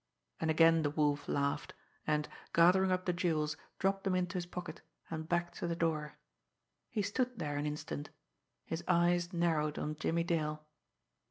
And again the Wolf laughed, and, gathering up the jewels, dropped them into his pocket, and backed to the door. He stood there an instant, his eyes narrowed on Jimmie Dale.